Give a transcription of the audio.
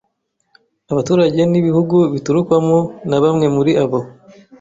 abaturage n’ibihugu biturukwamo na bamwe muri abo